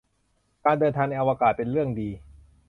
การเดินทางในอวกาศ เป็นเรื่องดี